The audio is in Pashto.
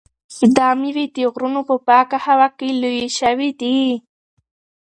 دا مېوې د غرونو په پاکه هوا کې لویې شوي دي.